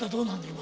今。